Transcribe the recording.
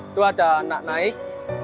itu ada anak naik